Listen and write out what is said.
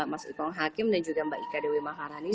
mas ipong hakim dan juga mbak ika dewi maharani